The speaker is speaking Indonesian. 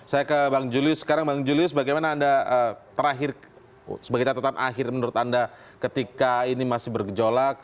saya ke bang julius sekarang bang julius bagaimana anda terakhir sebagai catatan akhir menurut anda ketika ini masih bergejolak